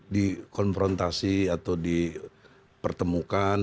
di konfrontasi atau di pertemukan